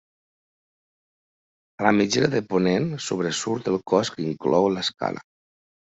A la mitgera de ponent sobresurt el cos que inclou l'escala.